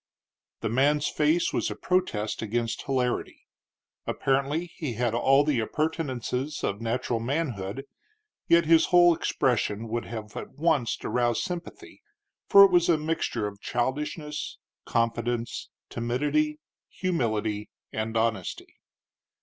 The man's face was a protest against hilarity. Apparently he had all the appurtenances of natural manhood, yet his whole expression would have at once aroused sympathy, for it was a mixture of childishness, confidence, timidity, humility, and honesty.